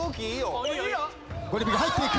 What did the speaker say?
ゴリ部が入っていく！